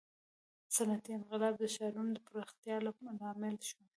• صنعتي انقلاب د ښارونو د پراختیا لامل شو.